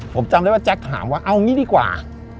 ผมจำได้ว่าแจ๊คถามว่าเอางี้ดีกว่า